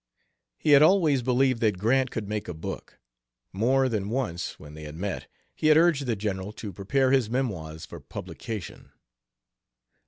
He had always believed that Grant could make a book. More than once, when they had met, he had urged the General to prepare his memoirs for publication.